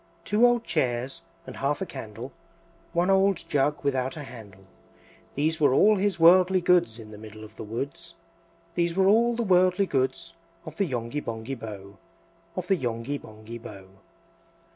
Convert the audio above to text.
Two old chairs, and half a candle, One old jug without a handle, These were all his worldly goods: In the middle of the woods, These were all the worldly goods Of the Yonghy Bonghy Bò, Of the Yonghy Bonghy Bò.